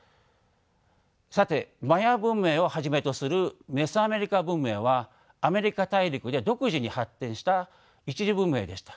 さてマヤ文明をはじめとするメソアメリカ文明はアメリカ大陸で独自に発展した一次文明でした。